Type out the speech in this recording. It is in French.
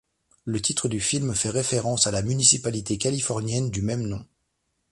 Le titre du film fait référence à la municipalité californienne du même nom.